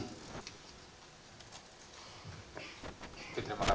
terima kasih cukup empat dulu ya